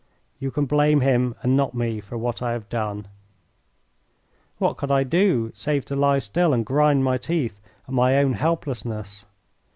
You can blame him and not me for what I have done." What could I do save to lie still and grind my teeth at my own helplessness?